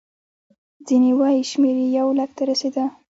ځینې وایي شمېر یې یو لک ته رسېده.